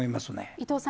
伊藤さん